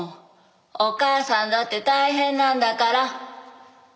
お母さんだって大変なんだから。